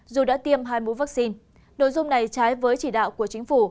dù đã tiêm hai mũi vắc xin nội dung này trái với chỉ đạo của chính phủ